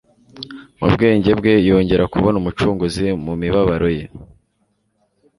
Mu bwenge bwe yongera kubona Umucunguzi mu mibabaro ye,